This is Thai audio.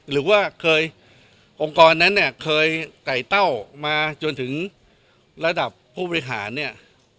หรือว่าเคยองค์กรนั้นเนี่ยเคยไก่เต้ามาจนถึงระดับผู้บริหารเนี่ย